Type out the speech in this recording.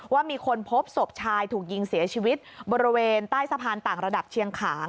ว่ามีคนพบศพชายถูกยิงเสียชีวิตบริเวณใต้สะพานต่างระดับเชียงขาง